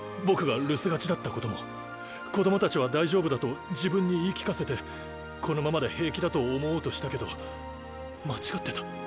僕が留守がちだったことも子供たちは大丈夫だと自分に言い聞かせてこのままで平気だと思おうとしたけど間違ってた。